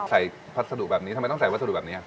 พัสดุแบบนี้ทำไมต้องใส่วัสดุแบบนี้